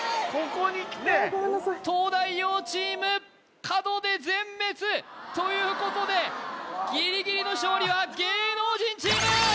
ごめんなさい東大王チーム角で全滅！ということでギリギリの勝利は芸能人チーム！